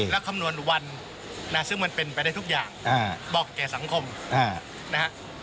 แล้วคำนวณวันซึ่งมันเป็นไปได้ทุกอย่างบอกแก่สังคมนะฮะ